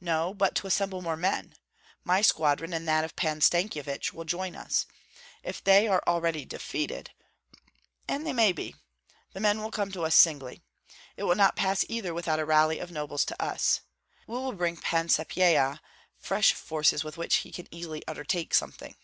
"No, but to assemble more men. My squadron and that of Pan Stankyevich will join us. If they are already defeated, and they may be, the men will come to us singly. It will not pass either without a rally of nobles to us. We will bring Pan Sapyeha fresh forces with which he can easily undertake something."